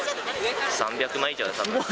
３００枚以上は、たぶん。